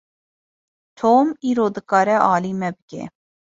Tom îro dikare alî me bike.